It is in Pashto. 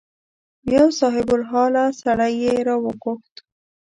یو صاحب الحاله سړی یې راوغوښت.